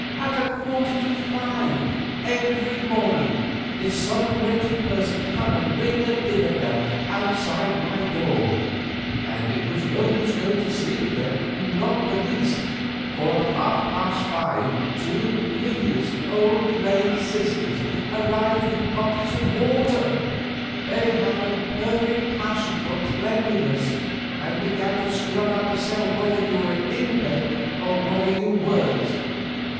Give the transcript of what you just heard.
At a quarter to five every morning did some wretched person come and ring a dinner bell outside my door. And it was no use going to sleep again, not the least, for at half past five two hideous old lay sisters arrived with buckets of water—they have a perfect passion for cleanliness—and began to scrub out the cell whether you were in bed or whether you weren't."